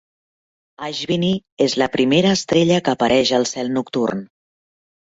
Ashvini és la primera estrella que apareix al cel nocturn.